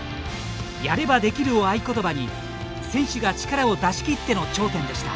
「やれば出来る」を合いことばに選手が力を出し切っての頂点でした。